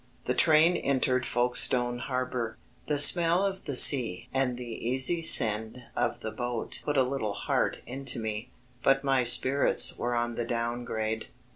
The train entered Folkestone Harbour. The smell of the sea and the easy send of the boat put a little heart into me, but my spirits were on the down grade.